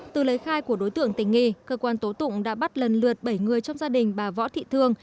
từ lấy khai của đối tượng tình nghi cơ quan tố tụng đã bắt lần lượt bảy người trong gia đình bà võ thị thương